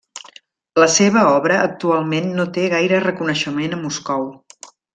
La seva obra actualment no té gaire reconeixement a Moscou.